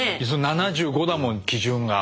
７５だもん基準が。